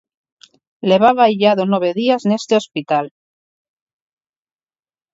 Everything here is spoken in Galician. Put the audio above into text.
Levaba illado nove días neste hospital.